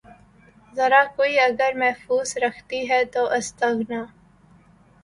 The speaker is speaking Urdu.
زرہ کوئی اگر محفوظ رکھتی ہے تو استغنا